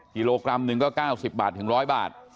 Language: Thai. กิโลกรัมหนึ่งก็๙๐บาทถึง๑๐๐บาท